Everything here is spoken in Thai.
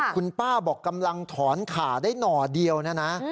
คุณป้าบอกกำลังถอนขาได้หน่อเดียวนะนะ